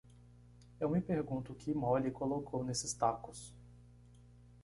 Eu me pergunto o que Molly colocou nesses tacos?